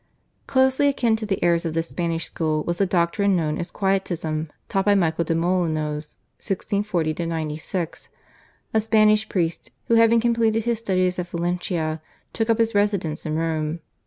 Closely akin to the errors of this Spanish school was the doctrine known as Quietism taught by Michael de Molinos (1640 96), a Spanish priest, who having completed his studies at Valencia took up his residence in Rome.